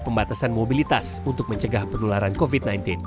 pembatasan mobilitas untuk mencegah penularan covid sembilan belas